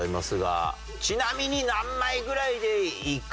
ちなみに何枚ぐらいでいく感じ